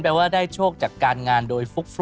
ว่าได้โชคจากการงานโดยฟุก